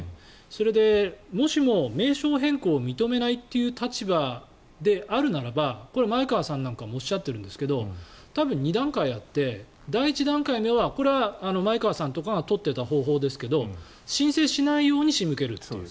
それで、もしも名称変更を認めないという立場であるならばこれは前川さんなんかもおっしゃっているんですが多分、２段階あって第１段階目はこれは前川さんとかが取っていた方法ですけど申請しないように仕向けるという。